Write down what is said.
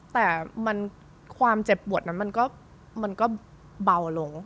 แต่ความเจ็บปวดนั้นมันก็เบาลง